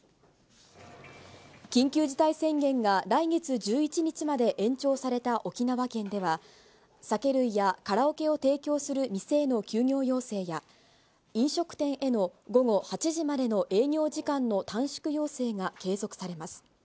緊急事態宣言が来月１１日まで延長された沖縄県では、酒類やカラオケを提供する店への休業要請や、飲食店への午後８時までの営業時間の短縮要請が継続されます。